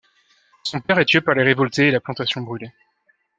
Son père est tué par les révoltés, et la plantation brûlée.